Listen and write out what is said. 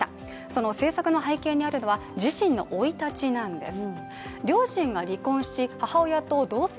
その政策の背景にあるのは、自身の生い立ちなんです。